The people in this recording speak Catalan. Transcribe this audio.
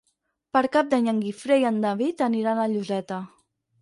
Per Cap d'Any en Guifré i en David aniran a Lloseta.